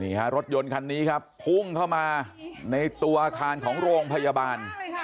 รถยนต์คันนี้ครับพุ่งเข้ามาในตัวอาคารของโรงพยาบาล